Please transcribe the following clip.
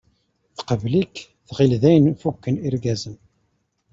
Teqbel-ik, tɣill dayen fukken irgazen.